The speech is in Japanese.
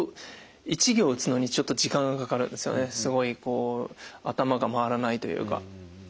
すごいこう頭が回らないというか。